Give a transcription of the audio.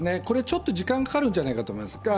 ちょっと時間かかるんじゃないかと思います。